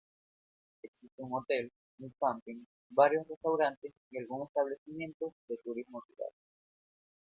Existe un hotel, un camping, varios restaurantes y algún establecimiento de turismo rural.